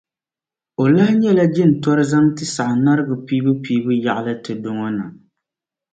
O lahi nyɛ jintɔri zaŋ ti Sagnarigu piibu-piibu yaɣili tudu ŋɔ na.